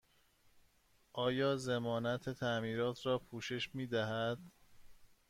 آیا ضمانت تعمیرات را پوشش می دهد؟